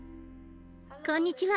こんにちは。